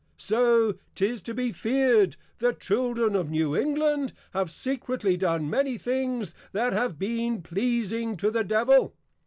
_ So 'tis to be feared, the Children of New England have secretly done many things that have been pleasing to the Devil.